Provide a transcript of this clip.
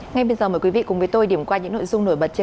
ngay bây giờ mời quý vị cùng với tôi điểm qua những nội dung nổi bật trên